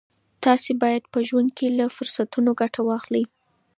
تاسي باید په ژوند کي له فرصتونو ګټه واخلئ.